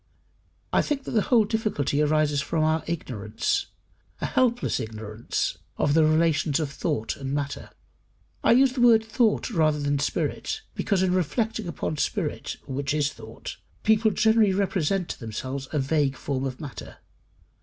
I think that the whole difficulty arises from our ignorance a helpless ignorance of the relations of thought and matter. I use the word thought rather than spirit, because in reflecting upon spirit (which is thought), people generally represent to themselves a vague form of matter.